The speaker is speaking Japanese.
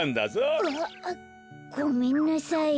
あっごめんなさい。